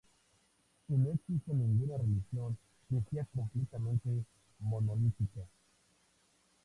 Y no existe ninguna religión que sea completamente monolítica.